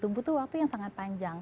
butuh waktu yang sangat panjang